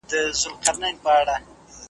غریب سړي ته بازار هم کوهستان دئ .